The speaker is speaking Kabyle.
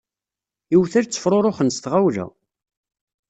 Iwtal ttefruruxen s tɣawla.